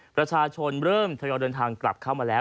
ประชาชนเริ่มทยอยเดินทางกลับเข้ามาแล้ว